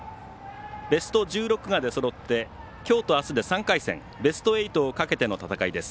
ベスト１６が出そろってきょうと、あすで３回戦、ベスト８をかけての戦いです。